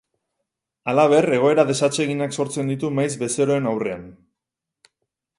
Halaber, egoera desatseginak sortzen ditu maiz bezeroen aurrean.